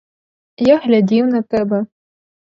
Я глядів на тебе.